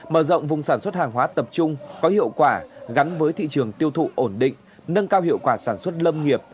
mở rộng vùng sản xuất hàng hóa tập trung có hiệu quả gắn với thị trường tiêu thụ ổn định nâng cao hiệu quả sản xuất lâm nghiệp